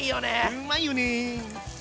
うんまいよね。